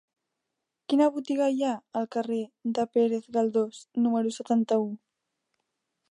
Quina botiga hi ha al carrer de Pérez Galdós número setanta-u?